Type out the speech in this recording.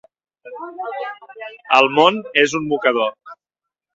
El món és un mocador.